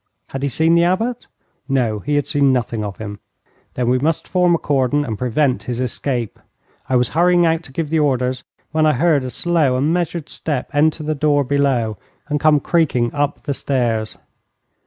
Had he seen the Abbot? No, he had seen nothing of him. Then we must form a cordon and prevent his escape. I was hurrying out to give the orders, when I heard a slow and measured step enter the door below, and come creaking up the stairs.